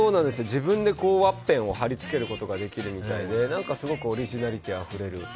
自分でワッペンを貼り付けることができるということですごくオリジナリティーあふれる。